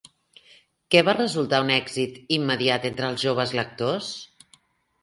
Què va resultar un èxit immediat entre els joves lectors?